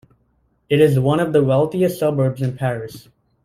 It is one of the wealthiest suburbs of Paris.